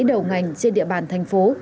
đầu ngành trên địa bàn thành phố